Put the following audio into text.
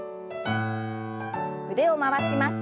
腕を回します。